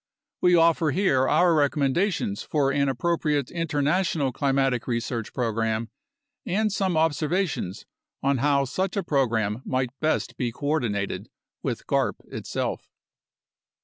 We offer here our recommendations for an appropriate international climatic re search program and some observations on how such a program might best be coordinated with garp itself.